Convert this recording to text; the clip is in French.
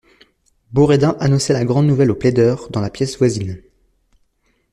Boredain annonçait la grande nouvelle aux plaideurs, dans la pièce voisine.